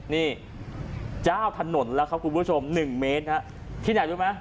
นี่เจ้าถนนแล้วครับคุณผู้ชม๑เมตรที่ไหนรู้ไหม